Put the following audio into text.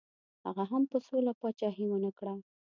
هغه هم په سوله پاچهي ونه کړه.